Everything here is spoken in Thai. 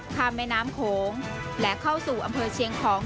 แม่น้ำโขงและเข้าสู่อำเภอเชียงของ